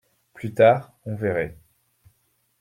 Plus tard, on verrait.